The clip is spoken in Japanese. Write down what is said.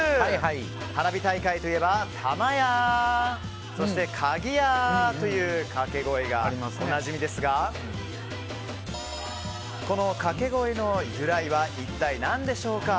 花火大会といえばたまや、かぎやという掛け声がおなじみですがこの掛け声の由来は一体何でしょうか？